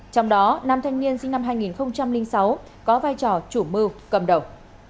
trong đó nam thanh niên sinh năm hai nghìn sáu có vai trò chủ mưu cầm đầu